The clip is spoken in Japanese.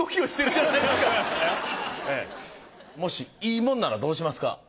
もしいいもんならどうしますか。